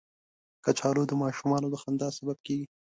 کچالو د ماشومانو د خندا سبب کېږي